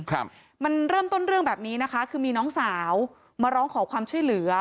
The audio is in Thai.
ครับมันเริ่มต้นเรื่องแบบนี้นะคะคือมีน้องสาวมาร้องขอความช่วยเหลือ